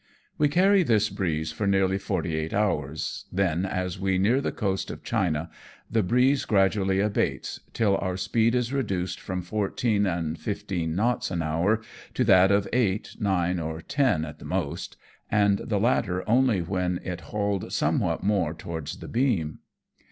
We carry this breeze for nearly forty eight hours, then, as we near the coast of China, the breeze gradually abates, till our speed is reduced from fourteen and fifteen knots an hour to that of eight, nine, or ten at the most, and the latter only when it hauled somewhat more towards the beam.